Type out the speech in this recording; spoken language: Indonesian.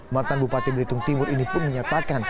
matan bupati beritung timur ini pun menyatakan